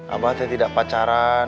abang tidak pacaran